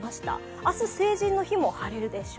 明日、成人の日も晴れるでしょう。